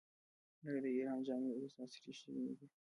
آیا د ایران جامې اوس عصري شوې نه دي؟